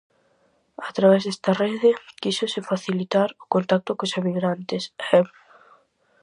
A través desta rede, quíxose facilitar o contacto cos emigrantes e.